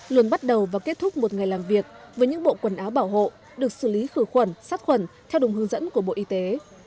luôn bắt đầu và kết thúc một ngày làm việc với những bộ quần áo bảo hộ được xử lý khử khuẩn sát khuẩn theo đúng hướng dẫn của bộ y tế